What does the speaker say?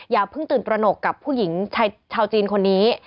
อย่าเพิ่งตื่นตระหนกกับผู้หญิงชาวจีนคนนี้